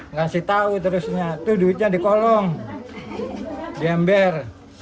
ngasih tau terusnya tuh duitnya di kolong di ember